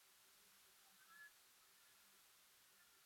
They are held prisoner and Catchflea is killed here.